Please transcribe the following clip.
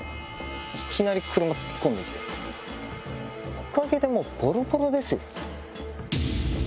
おかげでボロボロですよ。